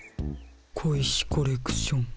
小石コレクション。